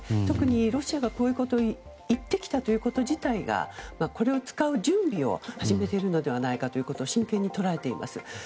特にロシアがこういうことを言ってきたということ自体がこれを使う準備を始めているのではないかということを真剣に捉えています。